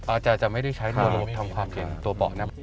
อาจจะไม่ได้ใช้ระบบทำกำเย็นเบาะนะ